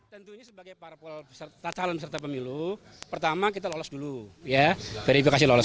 tentunya sebagai parpol peserta calon peserta pemilu pertama kita lolos dulu ya verifikasi lolos